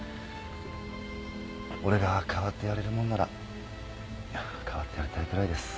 俺が代わってやれるもんなら代わってあげたいぐらいです。